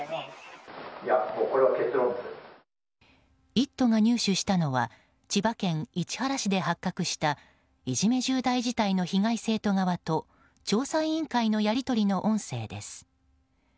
「イット！」が入手したのは千葉県市原市で発覚したいじめ重大事態の被害生徒側と調査委員会のやり取りの音声です。